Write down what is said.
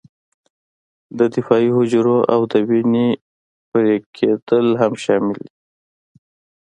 د دفاعي حجرو او د وینې پړن کېدل هم شامل دي.